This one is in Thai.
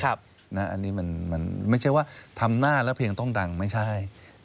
อันนี้มันไม่ใช่ว่าทำหน้าแล้วเพลงต้องดังไม่ใช่